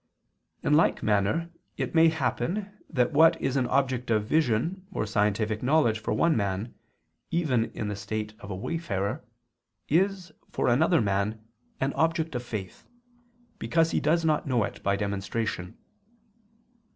In like manner it may happen that what is an object of vision or scientific knowledge for one man, even in the state of a wayfarer, is, for another man, an object of faith, because he does not know it by demonstration.